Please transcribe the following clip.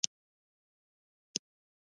ځوانانو ته پکار ده چې، سیاحت هڅوي.